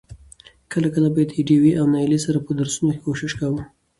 کله کله به يې د ډېوې او نايلې سره په درسونو کې کوشش کاوه.